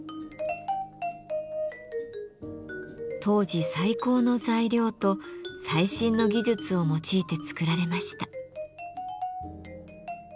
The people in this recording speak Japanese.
当時最高の材料と最新の技術を用いて作られました。